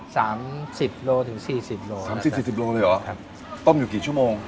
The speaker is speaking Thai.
สามสิบโลถึงสี่สิบโลสามสิบสี่สิบโลเลยเหรอครับต้มอยู่กี่ชั่วโมง